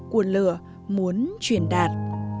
của lửa muốn truyền đạt